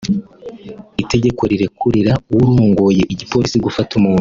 Itegeko rirekurira uwurongoye igipolisi gufata umuntu